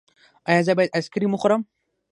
ایا زه باید آیسکریم وخورم؟